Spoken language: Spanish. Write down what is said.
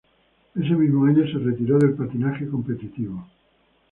Ese mismo año se retiró del patinaje competitivo.